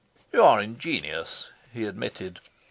"You are ingenious," he admitted.